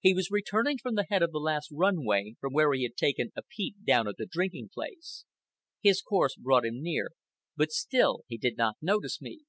He was returning from the head of the run way, from where he had taken a peep down at the drinking place. His course brought him near, but still he did not notice me.